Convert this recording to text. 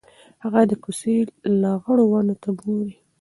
هغه د کوڅې لغړو ونو ته ګوري.